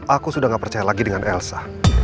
aku sudah gak percaya lagi dengan elsa